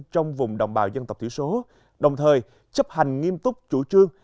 trong vùng đồng bào dân tộc thiểu số đồng thời chấp hành nghiêm túc chủ trương